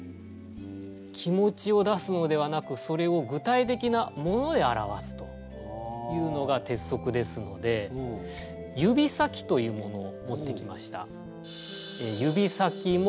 気持ちを出すのではなくそれを具体的な「もの」で表すというのが鉄則ですので指先というものを持ってきました。